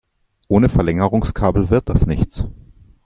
Ohne Verlängerungskabel wird das nichts.